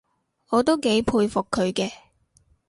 我都幾佩服佢嘅